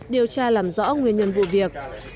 điều tra làm rõ nguyên nhân vụ việc